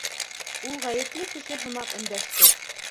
Ул ғәйепле кеше һымаҡ өндәште: